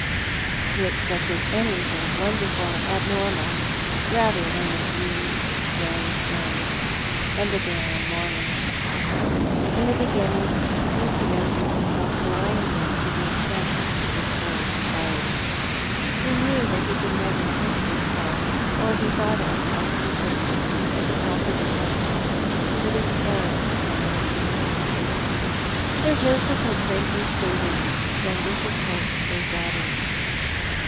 He expected anything wonderful and abnormal rather than the rude, grey hills and the barren moorland. In the beginning he surrendered himself blindly to the enchantment of this girl's society. He knew that he could never think of himself, or be thought of by Sir Joseph, as a possible husband for this heiress of mines and millions. Sir Joseph had frankly stated his ambitious hopes for his daughter.